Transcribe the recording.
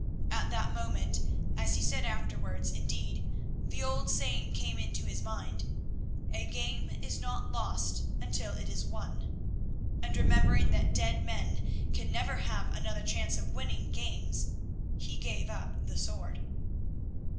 At that moment, as he said afterwards indeed, the old saying came into his mind, "A game is not lost until it is won," and remembering that dead men can never have another chance of winning games, he gave up the sword.